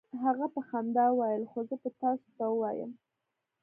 هغې په خندا وویل: "خو زه به تاسو ته ووایم،